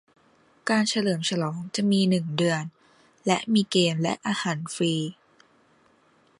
การเฉลิมฉลองจะมีหนึ่งเดือนและมีเกมและอาหารฟรี